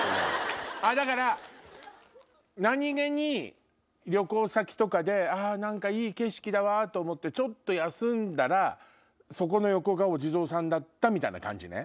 だから何げに旅行先とかであいい景色だわと思ってちょっと休んだらそこの横がお地蔵さんだったみたいな感じね。